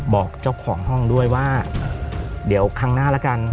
บอกเจ้าของห้องด้วยว่าเดี๋ยวครั้งหน้าแล้วกัน